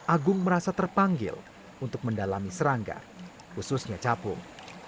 agung merasa terpanggil untuk mendalami serangga khususnya capung